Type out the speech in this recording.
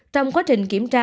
trong quá trình kiểm tra